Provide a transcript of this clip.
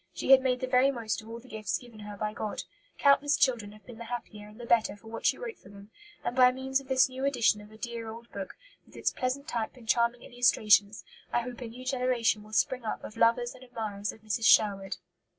She had made the very most of all the gifts given her by God. Countless children have been the happier and the better for what she wrote for them. And by means of this new edition of a dear old book, with its pleasant type and charming illustrations, I hope a new generation will spring up of lovers and admirers of Mrs. Sherwood.